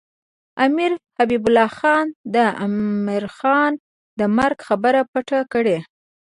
امیر حبیب الله خان د عمرا خان د مرګ خبره پټه کړې.